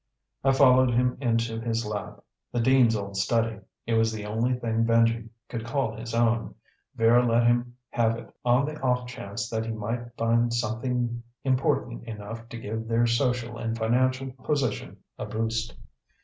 I followed him into his lab, the dean's old study. It was the only thing Benji could call his own. Vera let him have it on the off chance that he might find something important enough to give their social and financial position a boost.